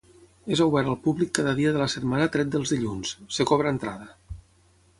És obert al públic cada dia de la setmana tret dels dilluns; es cobra entrada.